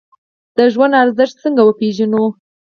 د ژوند ارزښت څنګه وپیژنو؟